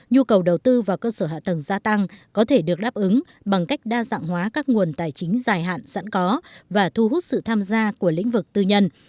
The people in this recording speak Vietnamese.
nhu cầu đầu tư vào cơ sở hạ tầng gia tăng có thể được đáp ứng bằng cách đa dạng hóa các nguồn tài chính dài hạn sẵn có và thu hút sự tham gia của lĩnh vực tư nhân